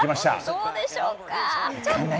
どうでしょうか。